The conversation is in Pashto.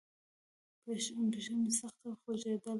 پښه مې سخته خوږېدله.